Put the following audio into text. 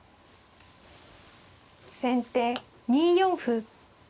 先手２四歩。